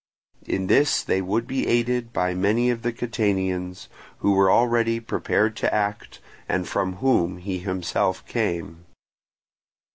In this they would be aided by many of the Catanians, who were already prepared to act, and from whom he himself came.